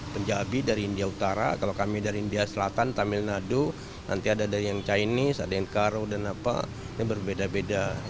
penjabi dari india utara kalau kami dari india selatan tamil nado nanti ada dari yang chinese ada yang karo dan apa ini berbeda beda